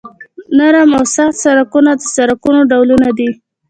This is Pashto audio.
نرم او سخت سرکونه د سرکونو ډولونه دي